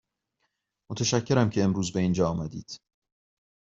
متشکرم که امروز به اینجا آمدید.